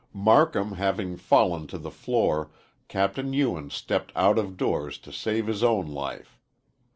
Marcum having fallen to the floor, Capt. Ewen stepped out of doors to save his own life.